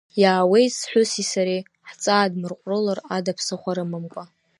Иаауеит сҳәыси сареи ҳҵаадмырҟәрылар ада ԥсыхәа рымамкәа.